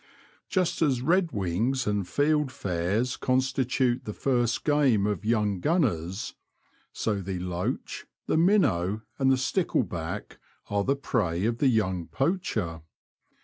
Just as redwings and field fares constitute the first game of young gunners, so the loach, the minnow, and the stickleback, are the prey of the young poacher.